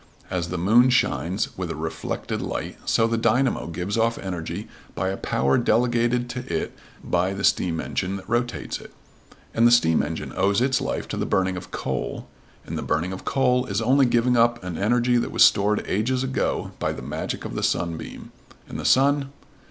As the moon shines with a reflected light, so the dynamo gives off energy by a power delegated to it by the steam engine that rotates it, and the steam engine owes its life to the burning coal, and the burning coal is only giving up an energy that was stored ages ago by the magic of the sunbeam; and the sun